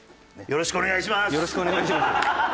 「よろしくお願いします」じゃない。